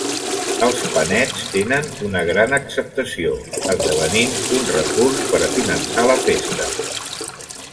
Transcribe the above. Els panets tenen una gran acceptació, esdevenint un recurs per a finançar la festa.